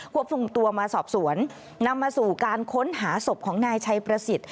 ควบคุมตัวมาสอบสวนนำมาสู่การค้นหาศพของนายชัยประสิทธิ์